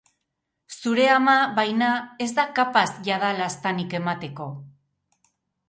Zure ama, baina, ez da kapaz jada laztanik emateko.